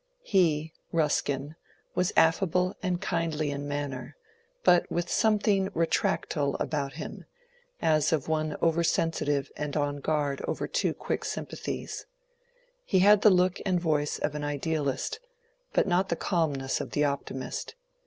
He, Ruskin, was affable and kindly in manner, but with something retractile about him, as of one over sensitive and on guard over too quick sympathies. He had the look and voice of an idealist, but not the calmness of the optimist.